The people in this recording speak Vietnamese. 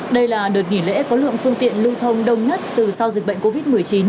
đây là đợt nghỉ lễ có lượng phương tiện lưu thông đông nhất từ sau dịch bệnh covid một mươi chín